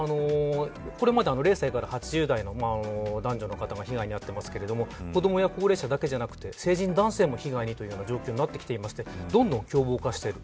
これまで０歳から８０代の男女の方が被害に遭っていますが子どもや高齢者だけじゃなくて成人男性も被害にという状況になってきていてどんどん凶暴化している。